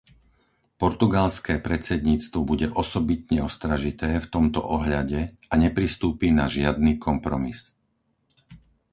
Portugalské predsedníctvo bude osobitne ostražité v tomto ohľade a nepristúpi na žiadny kompromis.